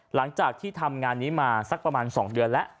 หลังจากที่ทำงานนี้มาสักประมาณ๒เดือนแล้ว